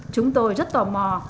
chúng tôi rất tò mò